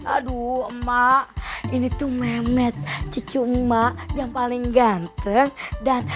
aduh emak ini tuh memet cicung mak yang paling ganteng dan